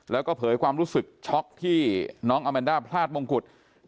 แล้วก็เผยความรู้สึกช็อกที่น้องอาแมนด้าพลาดมงกุฎ